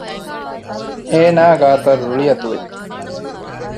އޭނާ ގާތަށް ރުޅިއަތުވެއްޖެ